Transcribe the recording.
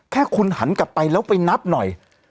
แค่คุณหันกลับไปแล้วไปนับหน่อย